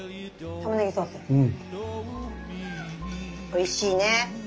おいしいね。